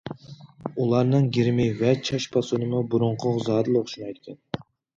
ئۇلارنىڭ گىرىمى ۋە چاچ پاسونىمۇ بۇرۇنقىغا زادىلا ئوخشىمايدىكەن.